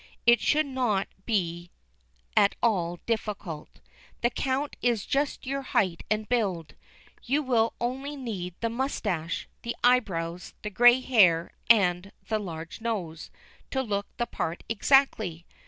It should not be at all difficult. The Count is just your height and build. You will only need the moustache, the eyebrows, the grey hair, and the large nose, to look the part exactly.